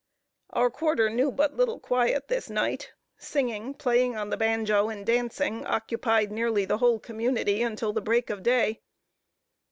Our quarter knew but little quiet this night; singing, playing on the banjo, and dancing, occupied nearly the whole community, until the break of day.